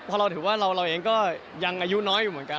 เพราะเราถือว่าเราเองก็ยังอายุน้อยอยู่เหมือนกัน